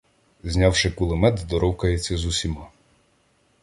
Знявши кулемет, здоровкається з усіма.